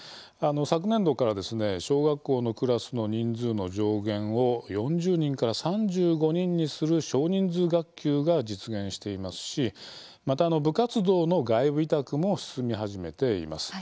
昨年度から小学校のクラスの人数の上限を４０人から３５人にする少人数学級が実現していますしまた、部活動の外部委託も進み始めています。